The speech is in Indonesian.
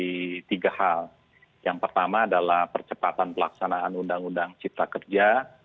di tiga hal yang pertama adalah percepatan pelaksanaan undang undang cipta kerja